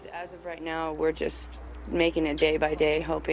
sejauh sekarang kami hanya membuat hari demi hari